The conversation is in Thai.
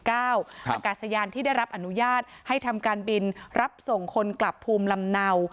อากาศยานที่ได้รับอนุญาตให้ทำการบินรับส่งคนกลับภูมิลำเนา